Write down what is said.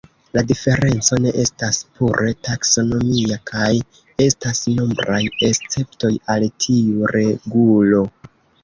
La diferenco ne estas pure taksonomia kaj estas nombraj esceptoj al tiu regulo.